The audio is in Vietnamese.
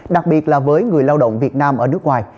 đặc biệt là với người lao động việt nam ở nước ngoài